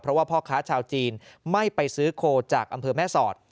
เพราะว่าพ่อค้าชาวจีนไม่ไปซื้อโคจากอำเภอแม่สอด